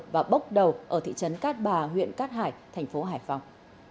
và bốc đầu ở thị trấn cát bà huyện cát hải thành phố hải phòng